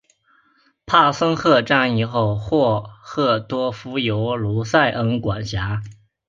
森帕赫战役后霍赫多夫由卢塞恩管辖。